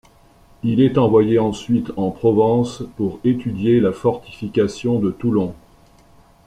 Il est envoyé ensuite en Provence pour étudier la fortification de Toulon.